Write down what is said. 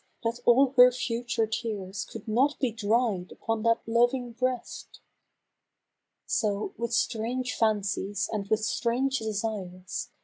that all her future tears Could not be dried upon that loving breast ! So, with strange fancies and with strange desires.